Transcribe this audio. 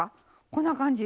こんな感じ。